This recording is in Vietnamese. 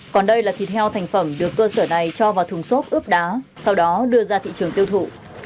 còn đây là thịt heo thành phẩm được cơ sở này cho vào thùng xốp ướp đá sau đó đưa ra thị trường tiêu thụ